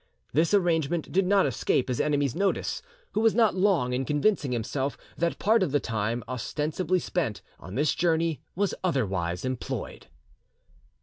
This arrangement did not escape his enemy's notice, who was not long in convincing himself that part of the time ostensibly spent on this journey was otherwise employed.